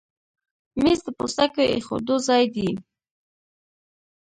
مېز د پوستکو ایښودو ځای دی.